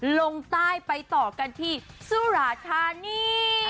ลงใต้ไปต่อกันที่สุราธานี